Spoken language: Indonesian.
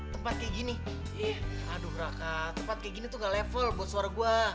tempat kayak gini eh aduh raka tempat kayak gini tuh gak level buat suara gue